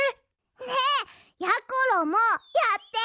ねえやころもやって！